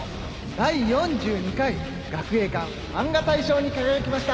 第４２回学英館漫画大賞に輝きました。